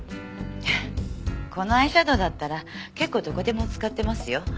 このアイシャドーだったら結構どこでも使ってますよ。